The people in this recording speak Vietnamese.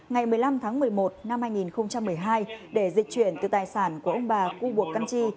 ngày một mươi năm tháng một mươi một năm hai nghìn một mươi hai để diệt chuyển từ tài sản của ông bà cưu bộc căn tri